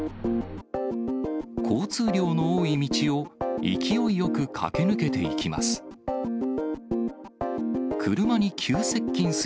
交通量の多い道を勢いよく駆け抜けていきます。